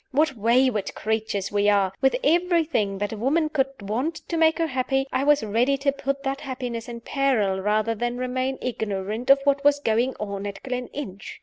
What wayward creatures we are! With everything that a woman could want to make her happy, I was ready to put that happiness in peril rather than remain ignorant of what was going on at Gleninch!